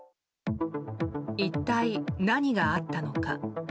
一体何があったのか。